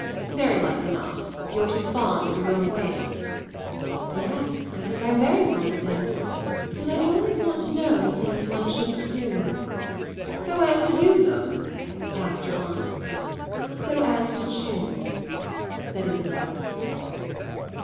"Very likely not. You're too fond of your own ways." "Yes, I think I'm very fond of them. But I always want to know the things one shouldn't do." "So as to do them?" asked her aunt. "So as to choose," said Isabel.